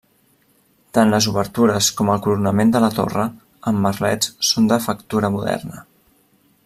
Tant les obertures com el coronament de la torre, amb merlets, són de factura moderna.